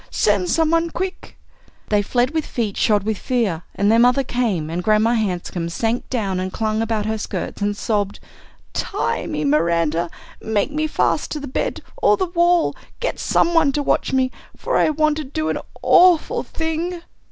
Send some one quick!" They fled with feet shod with fear, and their mother came, and Grandma Hanscom sank down and clung about her skirts and sobbed: "Tie me, Miranda. Make me fast to the bed or the wall. Get some one to watch me. For I want to do an awful thing!"